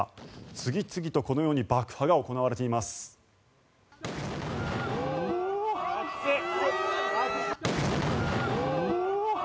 次々とこのように爆破が行われています。